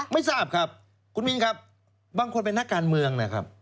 ไม่ทราบครับคุณมินครับบางคนเป็นนักการเมืองนะครับ